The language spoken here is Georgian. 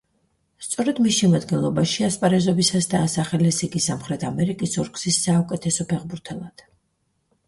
სწორედ მის შემადგენლობაში ასპარეზობისას დაასახელეს იგი სამხრეთ ამერიკის ორგზის საუკეთესო ფეხბურთელად.